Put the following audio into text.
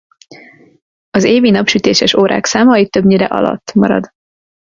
Az évi napsütéses órák száma itt többnyire alatt marad.